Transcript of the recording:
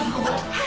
はい。